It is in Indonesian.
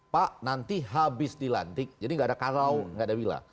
pak nanti habis dilantik jadi gak ada kalau gak ada bila